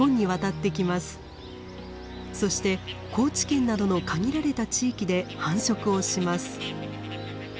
そして高知県などの限られた地域で繁殖をします。